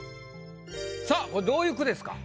さぁこれどういう句ですか？